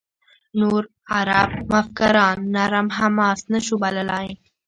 نور عرب مفکران «نرم حماس» نه شو بللای.